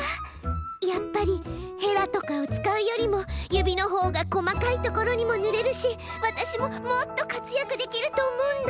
やっぱりヘラとかをつかうよりもゆびのほうがこまかいところにもぬれるしわたしももっとかつやくできるとおもうんだ！